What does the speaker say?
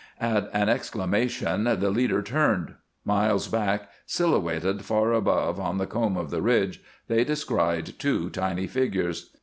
At an exclamation the leader turned. Miles back, silhouetted far above on the comb of the ridge, they descried two tiny figures.